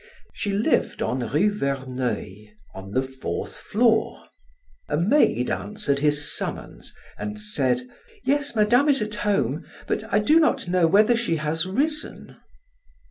She lived on Rue Verneuil, on the fourth floor. A maid answered his summons, and said: "Yes, Madame is at home, but I do not know whether she has risen."